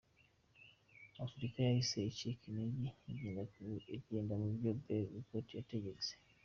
Afurika yahise icika intege igendera ku byo Berg Report yategetse.